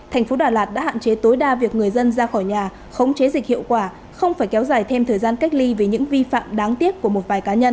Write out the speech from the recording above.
thành phố đà lạt đã hạn chế tối đa việc người dân ra khỏi nhà khống chế dịch hiệu quả không phải kéo dài thêm thời gian cách ly vì những vi phạm đáng tiếc của một vài cá nhân